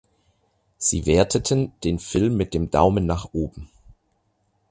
Sie werteten den Film mit dem Daumen nach oben.